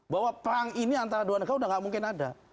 bahwa perang ini antara dua negara sudah tidak mungkin ada